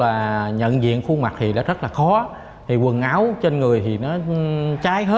trái thì toàn bộ là nhận diện khu mặt thì đó rất là khó thì quần áo trên người thì nó trái hết đã chỉ lái nhâm nhở